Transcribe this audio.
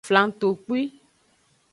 Flangtokpui.